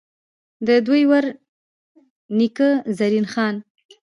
ددوي ور نيکۀ، زرين خان ،